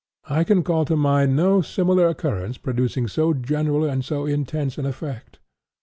I can call to mind no similar occurrence producing so general and so intense an effect.